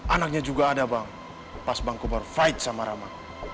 anaknya juga ada bang pas bangkumar fight sama rama